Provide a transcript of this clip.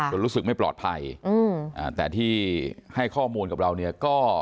รู้สึกไม่ปลอดภัยแต่ที่ให้ข้อมูลกับเราเนี่ยก็